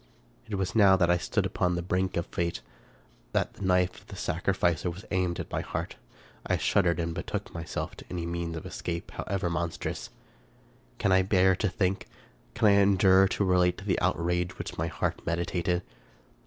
It was now that I stood upon the brink of fate, that the knife of the sacrificer was aimed at my heart, I shuddered, and betook myself to any means of escape, however monstrous. Can I bear to think — can I endure to relate the outrage which my heart meditated?